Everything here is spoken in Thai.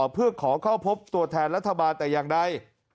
เพื่อขอเข้าพบตัวแทนรัฐบาลแต่อย่างใด